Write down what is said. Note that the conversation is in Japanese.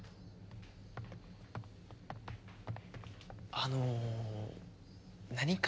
あの何か？